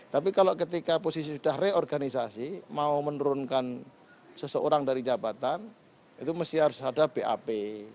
tapi kalau ketika posisi sudah reorganisasi mau menurunkan seseorang dari jabatan itu mesti harus ada bap